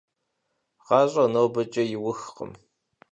ГъащӀэр нобэкӀэ иухкъым…